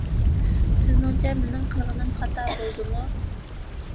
سىزنىڭچە، مېنىڭ قىلغىنىم خاتا بولدىمۇ؟